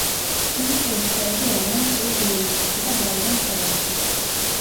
ფილმის რეჟისორები არიან კრის უილიამსი და ბაირონ ჰოვარდი.